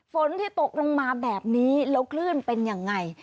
ฝนที่ตกลงมาแบบนี้แล้วคลื่นเป็นยังไง